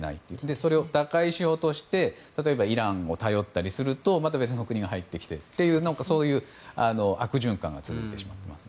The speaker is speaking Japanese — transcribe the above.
それを打開しようとして例えば、イランを頼ったりするとまた別の国が入ってくるという悪循環が続いてしまいますね。